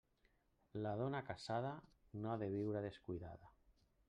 La dona casada no ha de viure descuidada.